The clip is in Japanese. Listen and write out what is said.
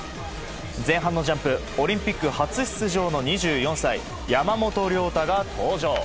前半のジャンプ、オリンピック初出場の２４歳、山本涼太が登場。